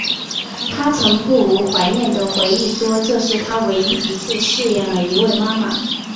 她曾不无怀念的回忆说这是她唯一一次饰演了一位妈妈。